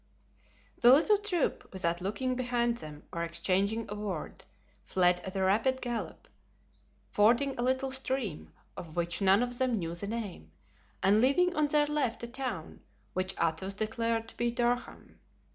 The little troop, without looking behind them or exchanging a word, fled at a rapid gallop, fording a little stream, of which none of them knew the name, and leaving on their left a town which Athos declared to be Durham.